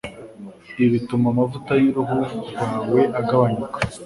Ibi bituma amavuta y'uruhu rwawe agabanyuka.